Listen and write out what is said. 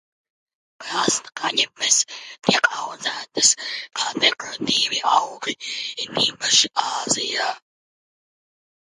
Krastkaņepes tiek audzētas kā dekoratīvi augi, it īpaši Āzijā.